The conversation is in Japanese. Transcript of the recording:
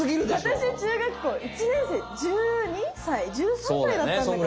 わたし中学校１年生１２歳１３歳だったんだから。